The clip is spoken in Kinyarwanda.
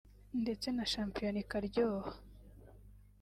ndetse na shampiyona ikaryoha